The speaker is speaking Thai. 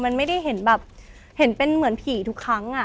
มันไม่ได้เห็นแบบเห็นเป็นเหมือนผีทุกครั้ง